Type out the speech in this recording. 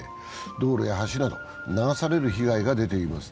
道路や橋など流される被害が出ています。